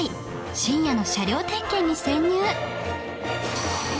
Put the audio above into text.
深夜の車両点検に潜入